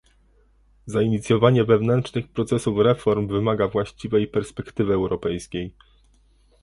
Zainicjowanie wewnętrznych procesów reform wymaga właściwej perspektywy europejskiej